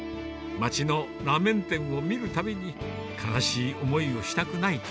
街のラーメン店を見るたびに、悲しい思いをしたくない。